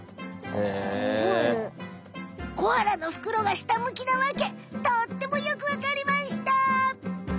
コアラのふくろが下むきなわけとってもよくわかりました！